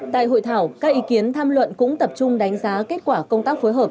tại hội thảo các ý kiến tham luận cũng tập trung đánh giá kết quả công tác phối hợp